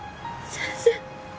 先生